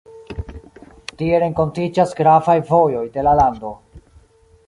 Tie renkontiĝas gravaj vojoj de la lando.